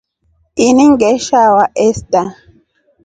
Ini ngeshawa esta.